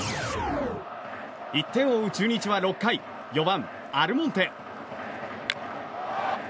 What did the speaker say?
１点を追う中日は６回４番、アルモンテ。